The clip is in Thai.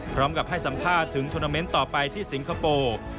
พร้อมกับให้สัมภาษณ์ถึงโทรนาเมนต์ต่อไปที่สิงคโปร์